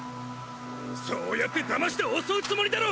そうやって騙して襲うつもりだろ！